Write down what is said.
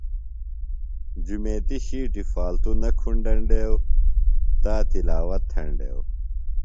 جُمیتیۡ شِیٹیۡ فالتوۡ نہ کُھنڈینڈیوۡ۔ تا تلاوت تھینڈیوۡ۔